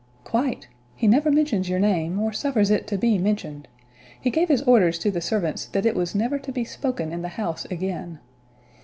"Quite. He never mentions your name, or suffers it to be mentioned; he gave his orders to the servants that it never was to be spoken in the house again.